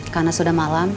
karena sudah malam